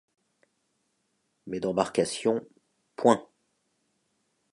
Mais d’embarcations, point !